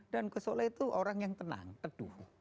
dan gusola itu orang yang tenang teduh